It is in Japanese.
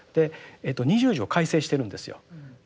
二十条を改正しているんですよ。